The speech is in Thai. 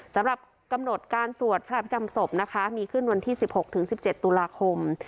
สำหรับกำหนดการสวดพระพิกรรมศพนะคะมีขึ้นวันที่สิบหกถึงสิบเจ็ดตุลาคม